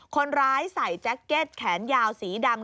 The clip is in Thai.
คนร้ายใส่แจ็คเก็ตแขนยาวสีดำ